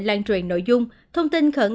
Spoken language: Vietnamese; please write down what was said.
lan truyền nội dung thông tin khẩn